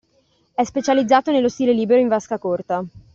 È specializzato nello stile libero in vasca corta.